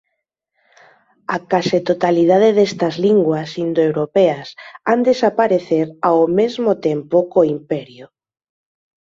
A case totalidade destas linguas indoeuropeas han desaparecer ao mesmo tempo có Imperio.